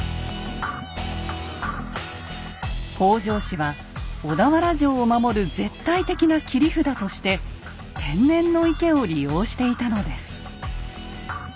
北条氏は小田原城を守る絶対的な切り札として天然の池を利用していたのです。